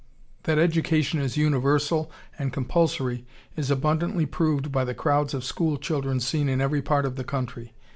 That education is universal and compulsory is abundantly proved by the crowds of school children seen in every part of the country.